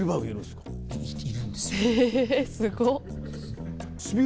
えすごっ。